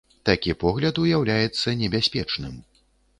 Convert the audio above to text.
Такі погляд уяўляецца небяспечным.